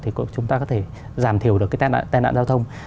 thì chúng ta có thể giảm thiểu được cái tai nạn giao thông